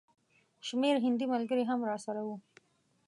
شمېر هندي ملګري هم راسره وو.